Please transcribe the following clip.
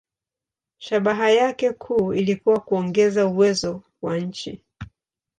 Shabaha yake kuu ilikuwa kuongeza uwezo wa nchi.